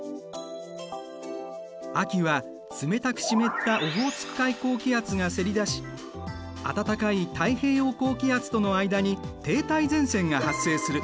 秋は冷たく湿ったオホーツク海高気圧がせり出し暖かい太平洋高気圧との間に停滞前線が発生する。